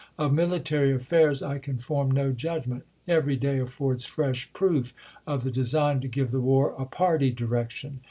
,. Of military affairs I can form no judgment. Every day affords fresh proof of the design to give the war a party direction.